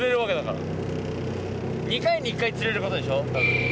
２回に１回釣れることでしょたぶん。